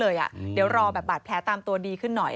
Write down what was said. แล้วตอนนี้ศาลให้ประกันตัวออกมาแล้ว